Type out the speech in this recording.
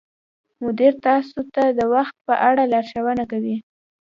مدیر تاسو ته د وخت په اړه لارښوونه کوي.